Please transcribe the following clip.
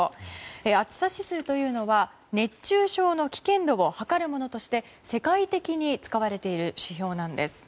暑さ指数というのは熱中症の危険度を測るものとして世界的に使われている指標なんです。